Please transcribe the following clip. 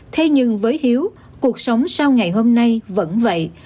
thế nhưng với hiếu cuộc sống sau ngày hôm nay vẫn vậy